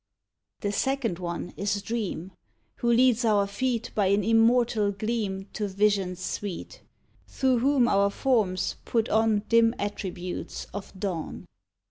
The second one is Dream, Who leads our feet By an immortal gleam To visions sweet; Through whom our forms put on Dim attributes of dawn.